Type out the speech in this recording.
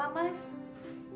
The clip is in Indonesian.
mata kamu kenapa tuh